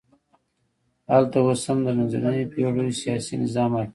هلته اوس هم د منځنیو پېړیو سیاسي نظام حاکم دی.